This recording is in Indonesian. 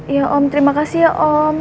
ya om terima kasih ya om